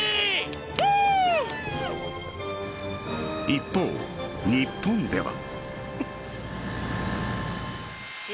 一方、日本では。